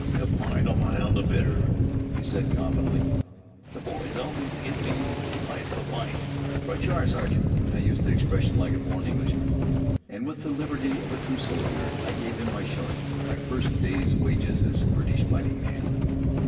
"A pint o' mild an' bitter," he said confidentially. "The boys always gives me the price of a pint." "Right you are, sergeant!" I used the expression like a born Englishman. And with the liberality of a true soldier, I gave him my shilling, my first day's wage as a British fighting man.